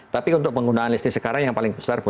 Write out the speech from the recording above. tapi untuk penggunaan listrik sekarang yang paling besar